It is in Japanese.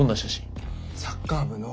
サッカー部の。